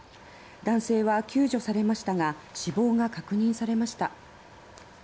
男性は救助されましたが死亡が確認されました。